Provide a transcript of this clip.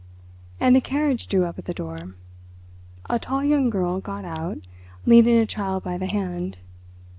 And a carriage drew up at the door. A tall young girl got out, leading a child by the hand.